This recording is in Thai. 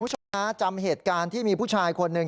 คุณผู้ชมฮะจำเหตุการณ์ที่มีผู้ชายคนหนึ่ง